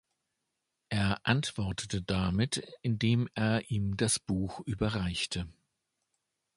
Er antwortete damit, indem er ihm das Buch überreichte.